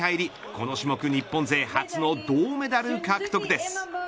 この種目日本勢初の銅メダル獲得です。